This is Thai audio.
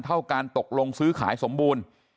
เท่าการตกลงซื้อขายสมบูรณ์